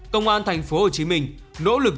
công an thành phố hồ chí minh nỗ lực